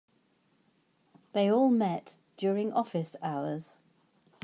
They all met during office hours.